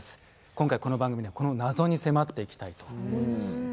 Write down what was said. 今回この番組ではこの謎に迫っていきたいと思います。